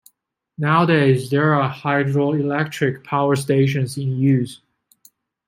Nowadays, there are hydroelectric power stations in use.